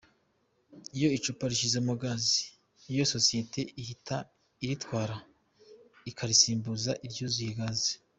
Iyo icupa rishizemo Gaz, iyo sosiyete ihita iritwara, ikarisimbuza iryuzuye Gaz.